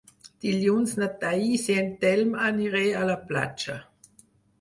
Dilluns na Thaís i en Telm aniré a la platja.